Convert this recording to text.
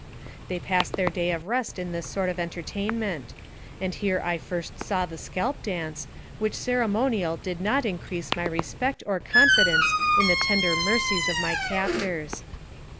They passed their day of rest in this sort of enter tainment; and here I first saw the scalp dance, which ceremonial did not increase my respect or confidence in the tender mercies of my captors.